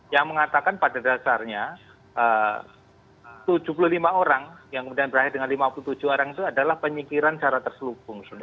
yang mengatakan pada dasarnya tujuh puluh lima orang yang kemudian berakhir dengan lima puluh tujuh orang itu adalah penyikiran secara terselubung